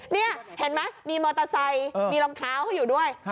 นี่เห็นไหมมีมอเตอร์ไซค์มีรองเท้าเขาอยู่ด้วย